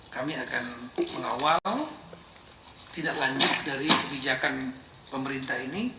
kami akan mengawal tidak lanjut dari kebijakan pemerintah ini